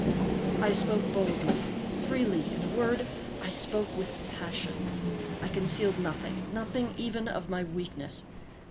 I spoke boldly, freely—in a word, I spoke with passion. I concealed nothing—nothing even of my weakness.